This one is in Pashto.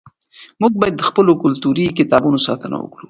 موږ باید د خپلو کلتوري کتابتونونو ساتنه وکړو.